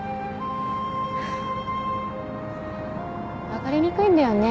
わかりにくいんだよね